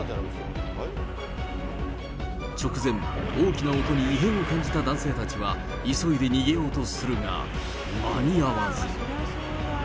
直前、大きな音に異変を感じた男性たちは、急いで逃げようとするが間に合わず。